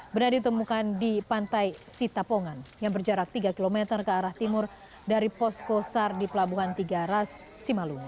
benar ditemukan di pantai sitapongan yang berjarak tiga km ke arah timur dari posko sar di pelabuhan tiga ras simalung